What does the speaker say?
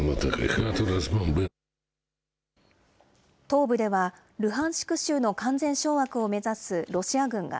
東部ではルハンシク州の完全掌握を目指すロシア軍が、